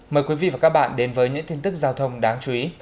mời quý vị và các bạn đến với những tin tức giao thông đáng chú ý